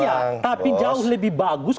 iya tapi jauh lebih bagus